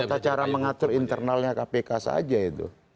tata cara mengatur internalnya kpk saja itu